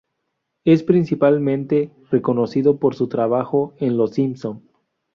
Es principalmente reconocido por su trabajo en "Los Simpson".